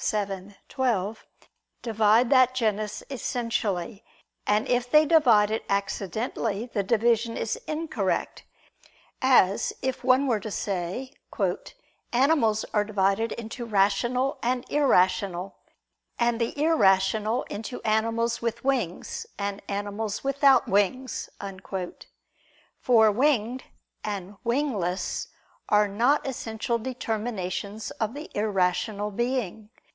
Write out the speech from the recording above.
vii, 12), divide that genus essentially: and if they divide it accidentally, the division is incorrect: as, if one were to say: "Animals are divided into rational and irrational; and the irrational into animals with wings, and animals without wings"; for "winged" and "wingless" are not essential determinations of the irrational being.